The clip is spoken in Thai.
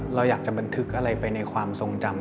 เราอยากจะบันทึกอะไรไปในความทรงจำ